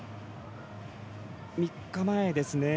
３日前ですね。